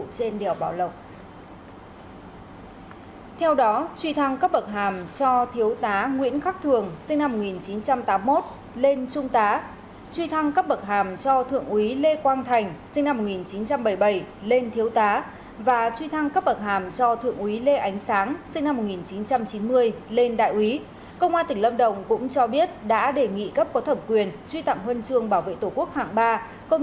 trên đèo bảo lộc lực lượng công an cùng các lực lượng cứu hộ khác sau khi khối đất đá hàng trăm tấn được giải tỏa hàng chục người cùng phương tiện cào bóc đất đá trên quốc lộ